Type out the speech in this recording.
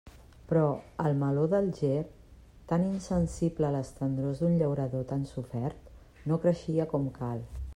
Però el meló d'Alger, tan insensible a les tendrors d'un llaurador tan sofert, no creixia com cal.